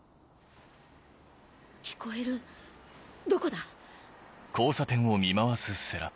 聞こえるどこだ？